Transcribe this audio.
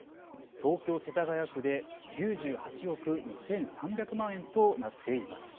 東京世田谷区で９８億２３００万円となっています。